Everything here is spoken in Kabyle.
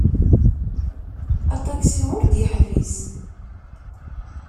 Aṭaksi ur d-yeḥbis.